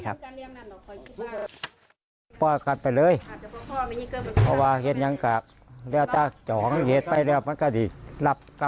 ครับ